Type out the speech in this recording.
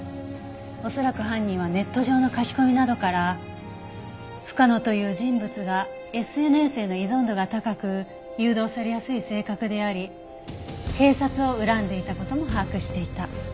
恐らく犯人はネット上の書き込みなどから深野という人物がＳＮＳへの依存度が高く誘導されやすい性格であり警察を恨んでいた事も把握していた。